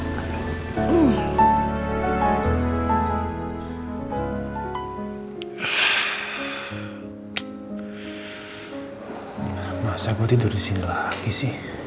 coba dong mas aku mau denger dong mas